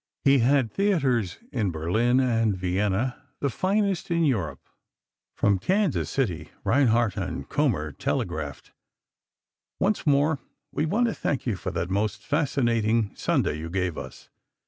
He had theatres in Berlin and Vienna, the finest in Europe." From Kansas City, Reinhardt and Kommer telegraphed: Once more we want to thank you for that most fascinating Sunday you gave us.